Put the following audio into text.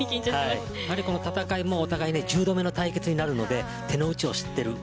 この戦いもお互い１０度目の対決になるので手のうちを知っている。